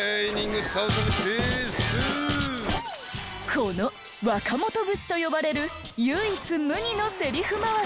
この若本節と呼ばれる唯一無二のセリフ回し。